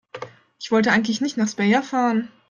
Ich wollte eigentlich nicht nach Speyer fahren